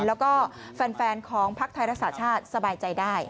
แล้วก็แฟนของภักดิ์ไทยรักษาชาติสบายใจได้